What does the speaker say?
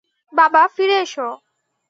বাবা, ফিরে এসো!